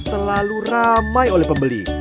selalu ramai oleh pembeli